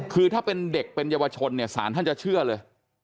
คือถ้าเป็นเด็กเป็นเยาวชนเนี่ยสารท่านจะเชื่อเลย